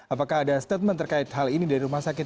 apakah ada statement terkait hal ini dari rumah sakit